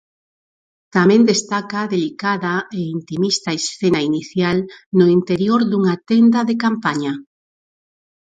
Tamén destaca a delicada e intimista escena inicial no interior dunha tenda de campaña.